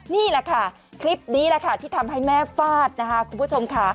นี่แหละค่ะคลิปนี้แหละค่ะที่ทำให้แม่ฟาดนะคะคุณผู้ชมค่ะ